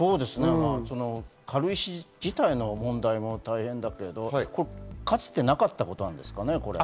軽石自体の問題も大変ですけれども、かつてなかったことなんですかね。